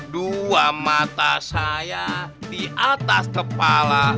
dua mata saya di atas kepala